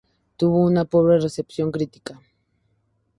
Tuvo una pobre recepción crítica.